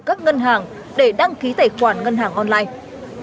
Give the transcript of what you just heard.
các ngân hàng để đăng ký tài khoản ngân hàng online